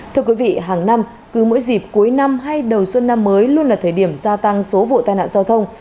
thưa quý vị hàng năm cứ mỗi dịp cuối năm hay đầu xuân năm mới luôn là thời điểm gia tăng số vụ tai nạn giao thông